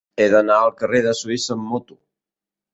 He d'anar al carrer de Suïssa amb moto.